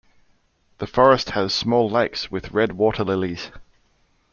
The forest has small lakes with red waterlilies.